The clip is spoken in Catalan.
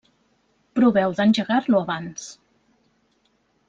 Proveu d'engegar-lo abans.